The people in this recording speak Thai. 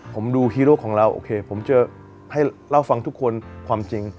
ผมดูฮีโร่ของเราโอเคผมจะให้เล่าฟังทุกคนความจริง